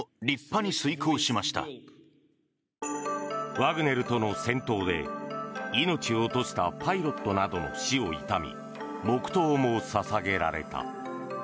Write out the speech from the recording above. ワグネルとの戦闘で命を落としたパイロットなどの死を悼み黙祷も捧げられた。